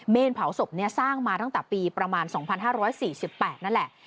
เผาศพนี้สร้างมาตั้งแต่ปีประมาณ๒๕๔๘นั่นแหละ